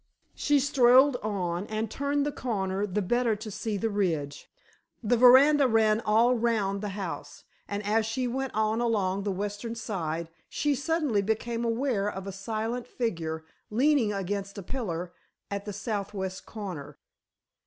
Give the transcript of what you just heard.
She strolled on, and turned the corner the better to see the ridge. The veranda ran all round the house, and as she went on along the western side, she suddenly became aware of a silent figure leaning against a pillar at the southwest corner.